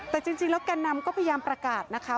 แต่จริงแล้วแกนนำก็พยายามประกาศนะคะ